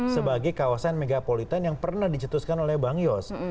sebagai kawasan megapolitane yang pernah dicetuskan oleh bangyus